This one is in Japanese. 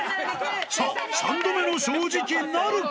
さあ、３度目の正直なるか。